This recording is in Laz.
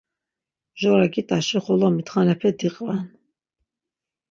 Mjora git̆aşi xolo mitxanepe diqven.